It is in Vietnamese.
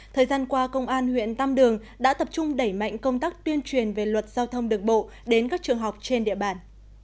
thời gian qua công an huyện tam đường đã tập trung đẩy mạnh công tác tuyên truyền về luật giao thông đường bộ đến các trường học trên địa bàn